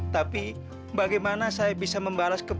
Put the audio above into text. tapi bagaimana saya bisa membalas kebaikan mas